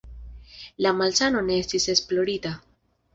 La malsano ne estis esplorita.